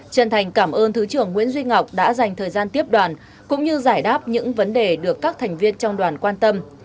chân thành cảm ơn thứ trưởng nguyễn duy ngọc đã dành thời gian tiếp đoàn cũng như giải đáp những vấn đề được các thành viên trong đoàn quan tâm